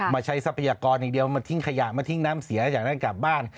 ใช้ทรัพยากรอย่างเดียวมาทิ้งขยะมาทิ้งน้ำเสียอยากได้กลับบ้าน